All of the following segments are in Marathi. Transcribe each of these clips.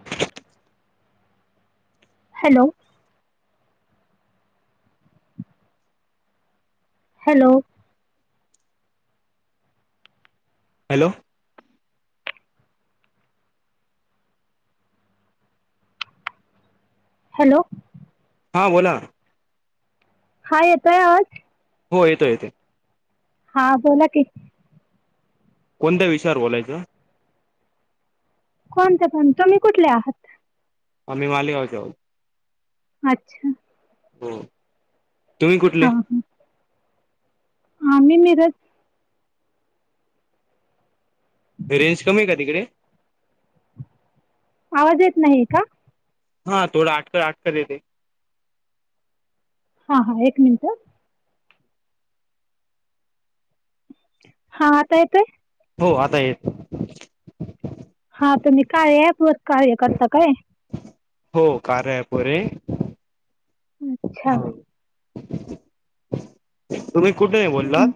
[unintelligible] हॅलो हॅलो हॅलो हॅलो हां बोला हा येतोय आवाज. हो येतोय येतोय. हा बोला की कोणत्या विषयावर बोलायचं? कोणत्या पण. तुम्ही कुठले आहात? आम्ही मालेगावचे आहोत. अच्छा हो. तुम्ही हां कुठले? हां आम्ही मिरज रेंज कमी आहे का तिकडे? आवाज येत नाही का? हा थोडं अटकत अटकत येते. हा हा एक मिनिट. हां आता येतोय. हो आता येतय. हा तुम्ही काय ॲप वर कार्य करता काय? हो कार्य अँप वर आहे. अच्छा हो तुम्ही कुठेन आहे बोललात? हं.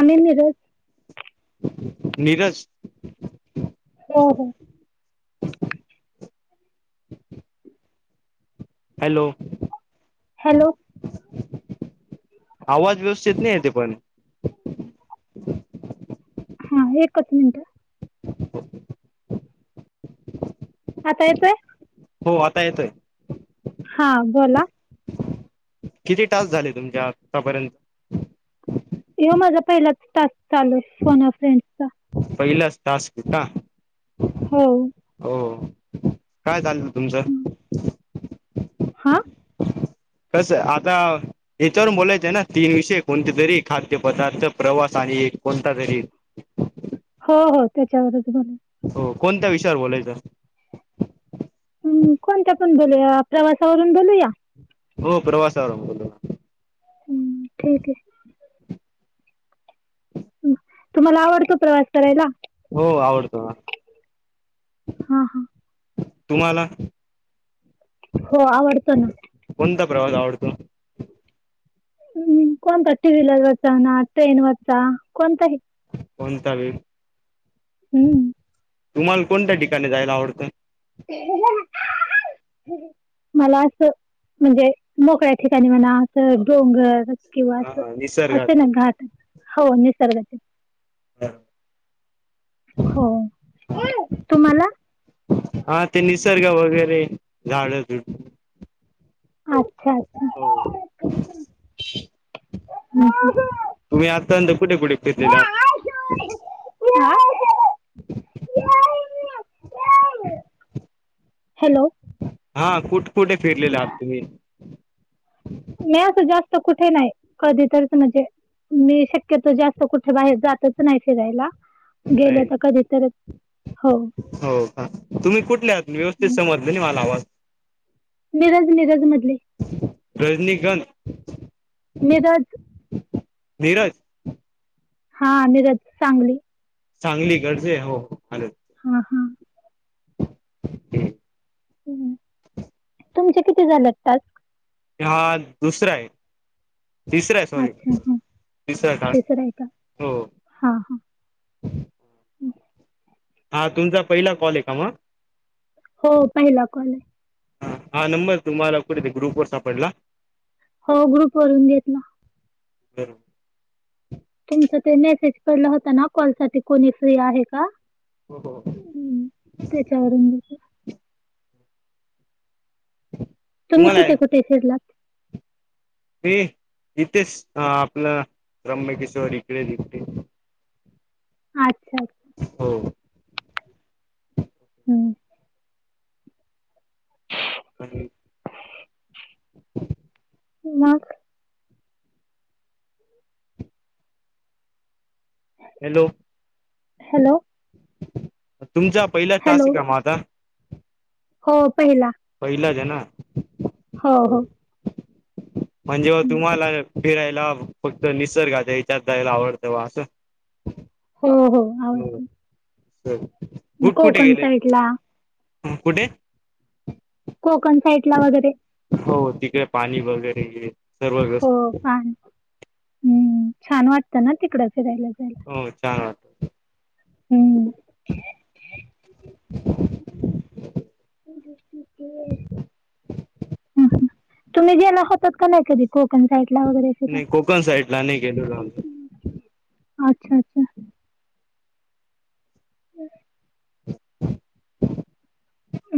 आम्ही मिरज नीरज हो हो हॅलो हॅलो आवाज व्यवस्थित नाही येत ते पण हा एकच मिनिटं. ह आता येतोय? हो आता येतोय. हा बोला? किती तास झाले तुमच्या आतापर्यंत? ह्यो माझा पहिलाच टास्क चालूय फोन फ्रेंड्सचा. पहिलाच टास्क का? हो हो काय चालू ये तुमचं? हा कस आता याच्यावरून बोलायचं ना तीन विषय कोणते तरी खाद्यपदार्थ प्रवास आणि एक कोणता तरी हो हो त्याच्यावरच बोलायचं हो कोणत्या विषयावर बोलायचं हम्म कोणत्यातून बोलूया प्रवासावरून बोलूया हो प्रवासावरुन बोलू. हम्म ठीक आहे. तुम्हाला आवडतो प्रवास करायला? हो आवडतो ना. हां हां तुम्हाला? हो आवडतो ना. कोणता प्रवास आवडतो? हम्म कोणता टी वलर वच ना ट्रेन वरचा कोणता ही कोंतवी हम्म तुम्हाला कोणत्या ठिकाणी जायला आवडतं? [unintelligible] [inaudible] मला असं, म्हणजे मोकळ्या ठिकाणी मणा असं डोंगर किंवा हा असे निसर्गात ना घटात हो निसर्गातील हो. तुम्हाला? हा ते निसर्ग वगैरे झाडु अच्छाचं हो [unintelligible] हं, हं. तुम्ही आतांत कुठ कुठे फिरलेलात? हा [unintelligible] [unintelligible] हॅलो हा कुठ कुठे फिरलेले आहात तुम्ही? मी असं जास्त कुठे नाही, कधी तरच म्हणजे. मी शक्यतो जास्त कुठे बाहेर जातच नाही फिरायला. गेल्या नाही तर कधी तर हो हो का तुम्ही कुठल्या आहात व्यवस्थित समजलं नाही मला आवाज मिरज मिरज मधले. रजनीकांत मीरज नीरज हा निरज, सांगली सांगली कडज हो हो अल हा हा हम् तुमचे किती झालेत टास्क? हा दुसरा आहे. तिसर सॉरी अच्छा हा तिसरं आहे टास्क तिसरा आहे का हा हा हा तुमचा पहिला कॉल आहे का मग? हो पाहिला कॉल हे. ह हा नंबर तुम्हाला कुठेेत ग्रुप वर सापडला. हो ग्रुप वरून घेतला. तुमच ते मेसेज पडला होता ना कॉल साठी कोणी फ्री आहे का. हो हो हम्म त्याच्यावरून तुम्ही आहे कुठे कुठे फिरलात? म तिथेच आपलं त्रममकेश्वर इकडे दिघते अच्छा अच्छा हो. हम्म. [inaudible] मग? हॅलो, हॅलो, तुमचा पहिला हॅलो टास्क का मग आता? हो पहिला. पहिला. [inaudible] हो हो. म्हणजे हं. तुम्हाला फिरायला फक्त निसर्गात इच्यात यायला आवडतं वा असं. हो, हो आवडतं. कुठ कुठे कोकण गेले? साईडला कुठे? कोकन साईड ला वगैरे. हो तिकडे पाणी वगैरे सर्व हो व्यवस्थित पाणी हम्म छान वाटतं ना तिकडं फिरायला जायला. हो [inaudible] हम्म. हं, तुम्ही जेला होतात का नाही कधी कोकण साईडला वगैरे? फिराय? नाही कोकन साइट ला नाही [inaudible] अच्छा अच्छा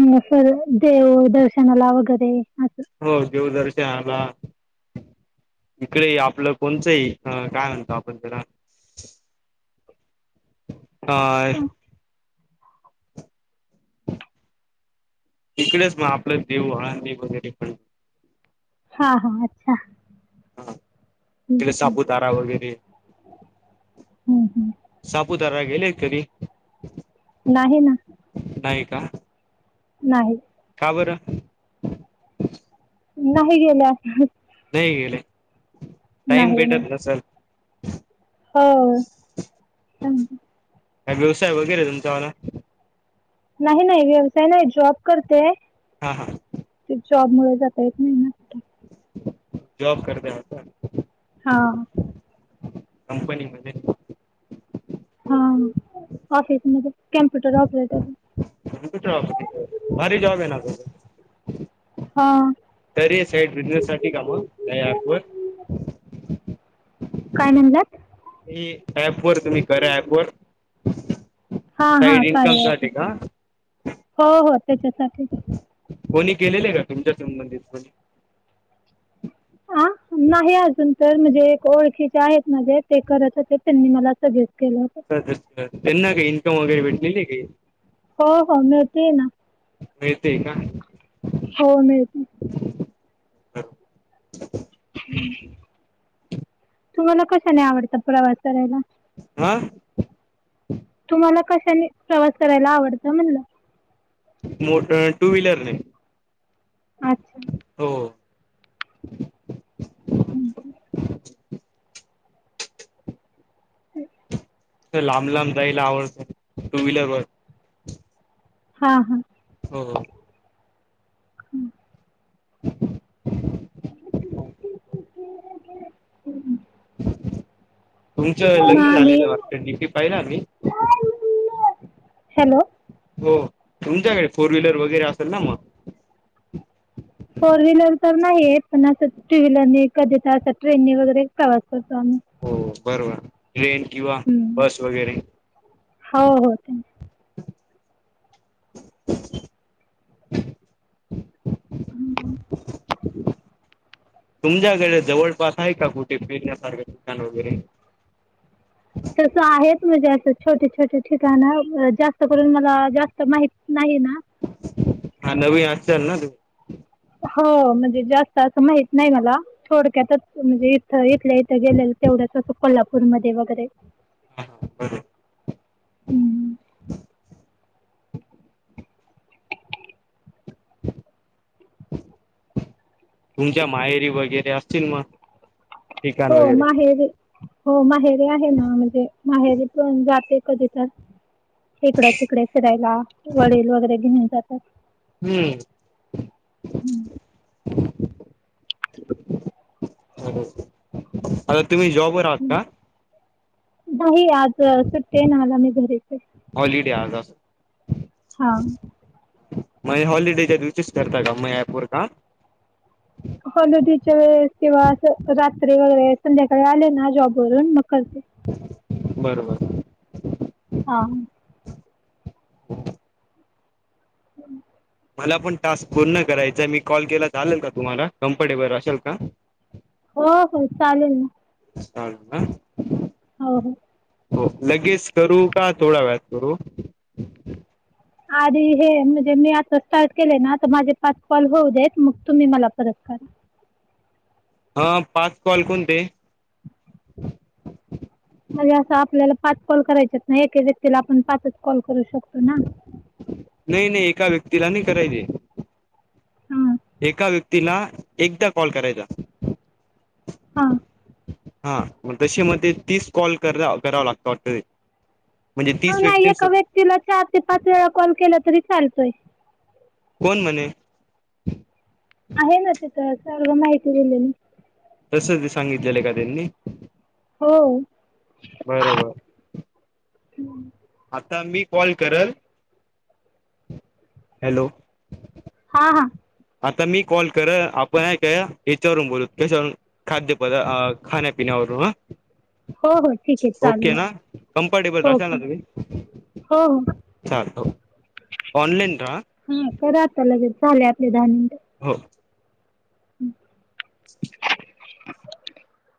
ह सर देव दर्शनला वैगेरे अस हो देवदर्शनला इकडे आपलं कोणतंही काय म्हणतो आपण त्याला. ह. हं. इकडेच मग आपलं देव आळनी वगैरे पण. हा हा अच्छा हा ह् इकडे ह्. सापुतारा वगैरे हम्म हम्म. सापूतारा गेले [inaudible] नाही ना. नाही का? नाही. का बरं? नाही गेल्. [inaudible] नाही गेले टाईम नाही, नाही. भेटत नसेल. हो च का व्यवसाय वगैरे तुमचा म्हाला? नाही नाही व्यवसाय नाही जॉब करते. हा हा. ते जॉब मु जाता येत नाही ना. कुठे जॉब करते. हा. कंपनी मध्ये. हा ऑफिसमध्येध्ये कम्प्युटर ऑपरेटर. भारी जॉब आहे ना त. हा. तर हे साईड बिझनेस साठी का मग त्या अप व काय म्हणालात? ऍप वर तुम्ही [inaudible] ऍप वर. हा हा साईड इन्कम कारण आप साठी का हो हो त्याच्यासाठी. कोणी केलेले आहे का तुमच्या संबंधीत कोणी. ह नाही अजून. तर म्हणजे एक ओळखीचे आहेत माझे ते करत होते त्यांनी मला सजेस्ट केलं. अचछ त्यांना काही इन्कम वगैरे भेटलेले आहे काय? हो हो मिळते ना मिळतेय का? हो मिळते. तुम्हाला कशा न आवडत प्रवास करायला. हा. तुम्हाला कशानी प्रवास करायला आवडतं म्हणलं. मो टू व्हीलरने. अच्छा. हो. हम् ह. हम. लांब लांब जायला आवडतं टू व्हीलरवर. हा हा. हो हो. तुमचं हां लग्न आणि झालेलं वाटत डीपी पाहिलं आम्ही. हॅलो हो तुमच्याकडे फोर व्हीलर वगैरे असेल ना मग फोर व्हीलर तर नाही पण असं टू व्हीलरने कधी तर अस ट्रेनने वगैरे प्रवास करतो आम्ही हो बरोबर ट्रेन किंवा हं. बस वगैरे हो हो त्यां हम् तुमच्याकडे जवळपास आहे का कुठे फिरण्यासारखे दुकान वगैरे तसं आहे म्हणजे असं छोटे छोटे ठिकाणं जास्त करून मला जास्त माहित नाही ना हा नवीन असाल ना तुम्ही हो म्हणजे जास्त असं माहित नाही मला थोडक्यात म्हणजे इथं इथल्या इथं गेलेलं तेवढंच असो कोल्हापूरमध्ये वगैरे हा हा बर हं. तुमच्या माहेरी वगैरे असतील मग ठिकाण हो वगैरे माहेरी हो माहेरी आहे ना म्हणजे माहेरी पण जाते कधी तर इकड्या तिकडे फिरायला वडील वगैरे घेऊन जातात हम्म [unintelligible] आता तुम्ही जॉबर आहात का नाही आज सुट्टते ना आम्ही मी घरीच हाय हॉलिडे आज आस हा मय हॉलिडेच्या दिवशीच करता का मय यापवर काम हॉलिडेच्या वेळेस किंवा असं रात्री वगैरे संध्याकाळी आले ना जॉबवरून मग करते बरं बरं हा हम् मला पण टास्क पूर्ण करायचाय मी कॉल केला चालेल का तुम्हाला कम्फर्टेबल असेल का हो हो चालेल ना [unintelligible] हो हो हो लगेच करू का थोडा वेळात करू आधी हे म्हणजे मी आता स्टार्ट केले ना तर माझे पाच कॉल होऊ देत मग तुम्ही मला परत करा हा पाच कॉल कोणते म्हणजे असं आपल्याला पाच कॉल करायचे ना एका व्यक्तीला आपण पाच कॉल करू शकतोय ना नाही नाही एका व्यक्तीला नाही करायचे हम्म एका व्यक्तीला एकदा कॉल करायचा हां हा मग तशी मग ते तीस कॉल करा कराव लागत वाटत ते. म्हणजे ह तीस नाय व्यक्ती एका व्यक्तीला चार ते पाच वेळा कॉल केला तरी चालतोय. कोण म्हणे आहे ना तिथं सर्व माहिती दिलेली. तस ते सांगितलेलं का त्यांनी हो बरं बरं. हम्.. आता मी कॉल करल हॅलो, हां हां. आता मी कॉल करल आपण न्हाय काय याच्यावरून बोलू कशावरून. खाद्यपदार अ खान्यापीन्या वरून ह. हो हो ठीक आहे ओके चालेल ना कम्फर्टेबल राशल ओके ना तुम्ही. हो हो चाल हो ऑनलाईन रहा. हा करा आता लगेच झाले आपले दहा मिनटं. हो. हम